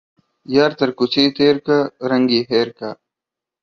يار تر کوڅه تيرکه ، رنگ يې هير که.